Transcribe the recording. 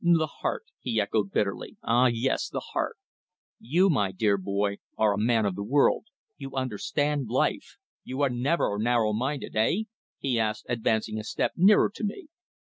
"The heart," he echoed bitterly. "Ah! yes the heart. You, my dear boy, are a man of the world. You understand life. You are never narrow minded eh?" he asked, advancing a step nearer to me.